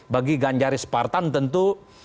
bagi ganjaris spartan tentu